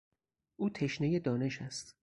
او تشنهی دانش است.